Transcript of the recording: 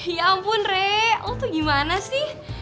ya ampun rek lo tuh gimana sih